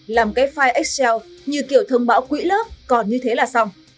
làm cái file excel như kiểu thông báo quỹ lớp còn như thế là xong